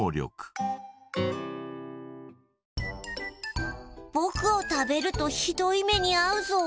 ぼくを食べるとひどい目にあうぞ。